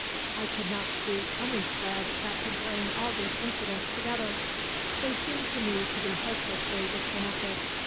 I could not see any thread that could bring all these incidents together; they seemed to me to be hopelessly disconnected.